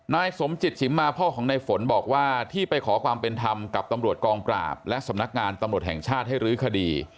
นายสมจิตชิมมาพ่อของในฝนบอกว่าที่ไปขอความเป็นธรรมกับตำรวจกองปราบและสำนักงานตำรวจแห่งชาติให้รื้อคดี